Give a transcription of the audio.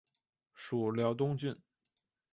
属辽东郡。